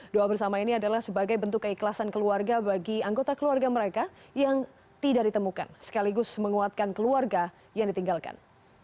doa bersama ini adalah sebagai bentuk keikhlasan keluarga bagi anggota keluarga mereka yang tidak ditemukan sekaligus menguatkan keluarga yang ditinggalkan